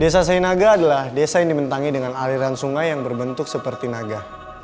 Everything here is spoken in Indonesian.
desa sainaga adalah desa yang dimentangi dengan aliran sungai yang berbentuk seperti naga